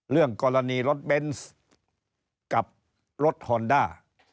เรื่องกรณีรถเบนส์กับรถฮอนด้า